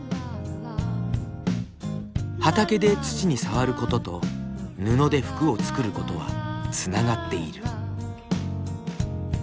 畑で土に触ることと布で服を作ることはつながっている。